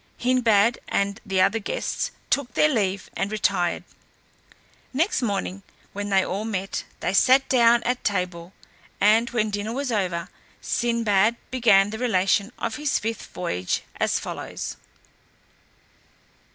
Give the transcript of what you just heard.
Hindbad and the other guests took their leave and retired. Next morning when they all met, they sat down at table, and when dinner was over, Sinbad began the relation of his fifth voyage as follows.